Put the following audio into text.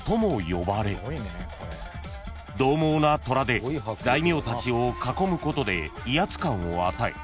呼ばれどう猛な虎で大名たちを囲むことで威圧感を与え